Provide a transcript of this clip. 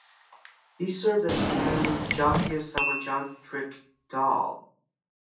He served as the President of Jatiya Samajtantrik Dal.